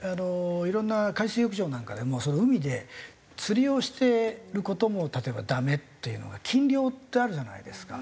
いろんな海水浴場なんかでも海で釣りをしてる事も例えばダメっていうのが禁漁ってあるじゃないですか。